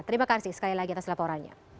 terima kasih sekali lagi atas laporannya